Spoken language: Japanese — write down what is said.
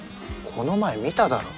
この前見ただろ。